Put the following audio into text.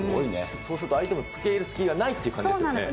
そうすると相手もつけ入る隙がないっていう感じですよね。